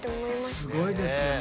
すごいですよね。